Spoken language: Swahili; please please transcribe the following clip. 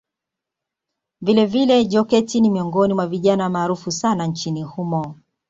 Vilevile Joketi ni miongoni mwa vijana maarufu sana nchini humo